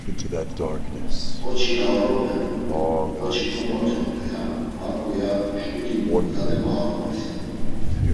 Oçi aoropen, oçi komotzondu, ya; haǩu, ya; şǩuti zade maoropes, ya.